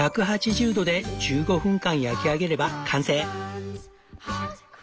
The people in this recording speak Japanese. １８０度で１５分間焼き上げれば完成！